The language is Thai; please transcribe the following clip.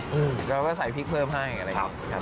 เราก็ใส่พริกเพิ่มให้